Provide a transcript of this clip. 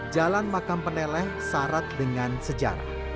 jalan makam peneleh syarat dengan sejarah